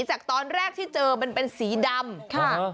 จากตอนแรกที่เจอมันเป็นสีดำค่ะ